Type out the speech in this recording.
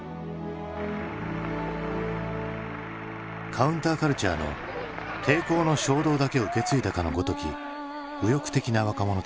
カウンターカルチャーの抵抗の衝動だけを受け継いだかのごとき右翼的な若者たち。